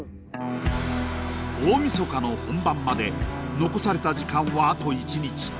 大みそかの本番まで残された時間はあと１日。